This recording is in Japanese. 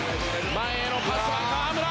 前へのパスは河村。